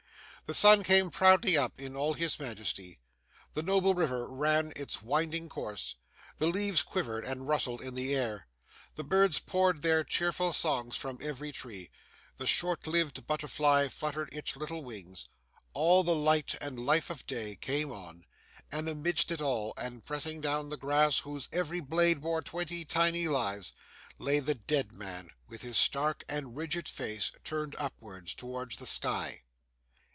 The sun came proudly up in all his majesty, the noble river ran its winding course, the leaves quivered and rustled in the air, the birds poured their cheerful songs from every tree, the short lived butterfly fluttered its little wings; all the light and life of day came on; and, amidst it all, and pressing down the grass whose every blade bore twenty tiny lives, lay the dead man, with his stark and rigid face turned upwards to the sky.